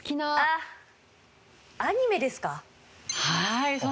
はい。